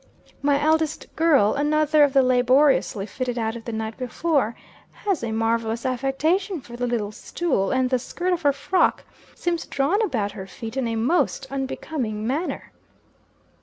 My eldest girl another of the laboriously fitted out of the night before, has a marvellous affection for the little stool, and the skirt of her frock seems drawn about her feet in a most unbecoming manner.